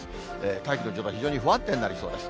大気の状態、非常に不安定になりそうです。